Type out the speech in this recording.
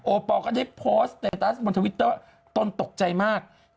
โอปอลก็ได้โพสต์ในโทรศ์บนทวิตเตอร์ตนตกใจมากนะฮะ